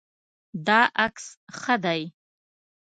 دا عکس ښه دی